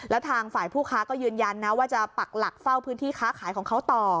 แล้วทางฝ่ายผู้ค้าก็ยืนยันนะว่าจะปักหลักเฝ้าพื้นที่ค้าขายของเขาต่อ